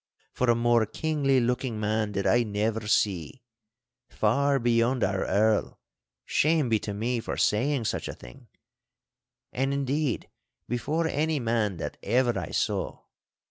For a more kingly looking man did I never see—far beyond our Earl (shame be to me for saying such a thing!), and, indeed, before any man that ever I saw.